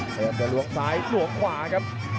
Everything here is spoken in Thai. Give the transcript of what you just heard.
พยายามจะล้วงซ้ายล้วงขวาครับ